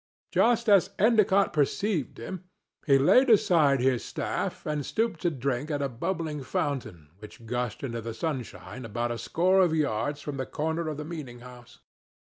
Just as Endicott perceived him he laid aside his staff and stooped to drink at a bubbling fountain which gushed into the sunshine about a score of yards from the corner of the meeting house.